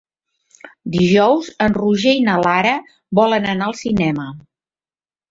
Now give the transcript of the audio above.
Dijous en Roger i na Lara volen anar al cinema.